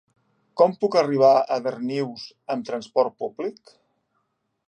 Com puc arribar a Darnius amb trasport públic?